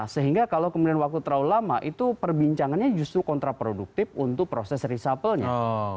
sehingga kalau kemudian waktu terlalu lama itu perbincangannya justru kontraproduktif untuk proses reshuffle nya